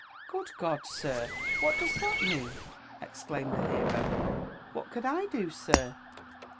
" Good God, sir! what does that mean?" exclaimed the b«ro. *' What could I do, sir?